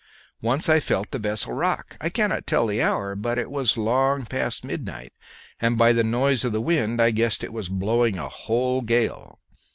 Once I felt the vessel rock; I cannot tell the hour, but it was long past midnight, and by the noise of the wind I guessed it was blowing a whole gale.